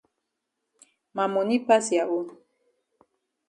Ma moni pass ya own.